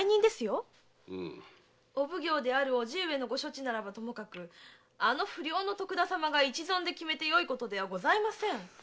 お奉行である叔父上のご処置ならばともかくあの不良の徳田様が一存で決めてよいことではございません。